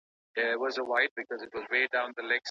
کله انسان د خپل پرله پسي کار پایله ګوري؟